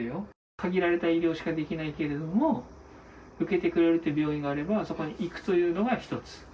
限られた医療しかできないけども、受けてくれるという病院があれば、そこに行くというのが一つ。